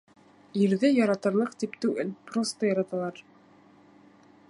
Ирҙе яратырлыҡ тип түгел, просто яраталар.